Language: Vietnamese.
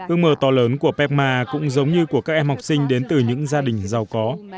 ước mơ to lớn của pema cũng giống như của các em học sinh đến từ những gia đình giàu có